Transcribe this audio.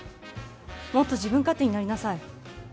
もっと自分勝手になりなさい。